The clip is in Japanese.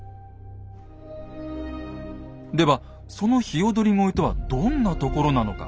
ではその鵯越とはどんなところなのか。